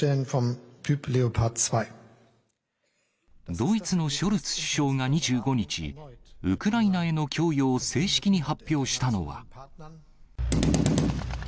ドイツのショルツ首相が２５日、ウクライナへの供与を正式に発表したのは。